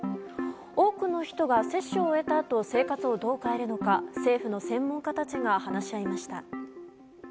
多くの人が接種を終えたあと、生活をどう変えるのか、政府の専門家たちが話し合いました。